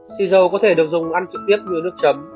thì dầu có thể được dùng ăn trực tiếp như nước chấm